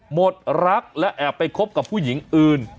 หมดรักและแอบไปคบกับผู้หญิงอื่น